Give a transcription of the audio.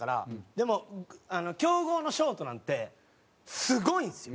でも強豪のショートなんてすごいんですよ。